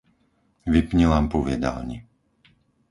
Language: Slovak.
Vypni lampu v jedálni.